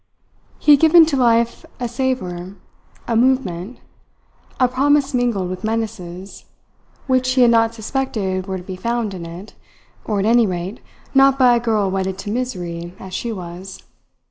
He had given to life a savour, a movement, a promise mingled with menaces, which she had not suspected were to be found in it or, at any rate, not by a girl wedded to misery as she was.